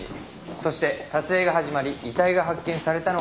そして撮影が始まり遺体が発見されたのが９時過ぎ。